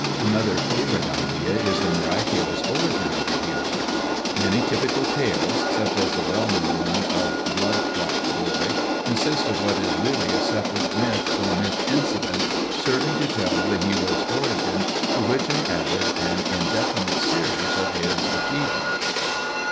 Another favorite idea is the miracu lous origin of the hero. Many typical tales, such as the well known one of Blood clot boy, consist of what is really a separate myth or myth incident serving to tell the hero's origin, to which are added an indefinite series of his achievements.